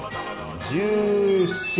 １４。